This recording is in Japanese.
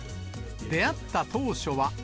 出会った当初は。